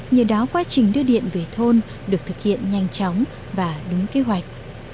nhờ đó quá trình đưa điện về thôn được thực hiện nhanh chóng và đúng kế hoạch